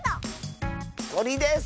とりです！